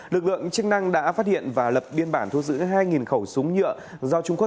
lực lượng chức năng đã phát hiện và lập biên bản thu giữ hai khẩu súng nhựa